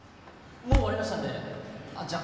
もう終わりましたんでじゃ